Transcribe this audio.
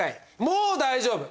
もう大丈夫！